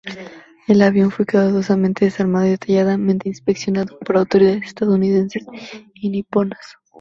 El avión fue cuidadosamente desarmado y detalladamente inspeccionado, por autoridades estadounidenses y niponas.